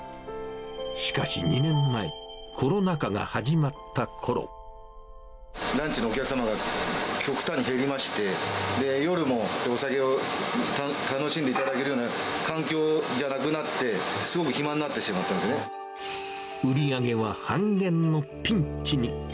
しかし２年前、コロナ禍が始まっランチのお客様が極端に減りまして、夜もお酒を楽しんでいただけるような環境じゃなくなって、売り上げは半減のピンチに。